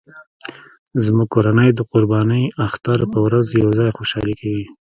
زموږ کورنۍ د قرباني اختر په ورځ یو ځای خوشحالي کوي